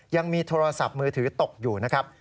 ยังมีโทรศัพท์มือถือตกอยู่นะครับ